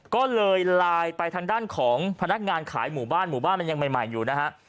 ก็เลยไลน์ไปทางด้านของพนักงานขายหมู่บ้านหมู่บ้านมันยังใหม่อยู่นะฮะ